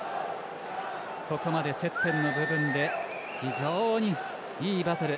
ここまで接点の部分で非常にいいバトル。